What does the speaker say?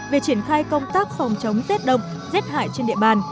về triển khai công tác phòng chống z động z hại trên địa bàn